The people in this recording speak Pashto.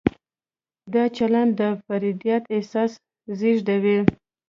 دا چلند د فردیت احساس زېږوي.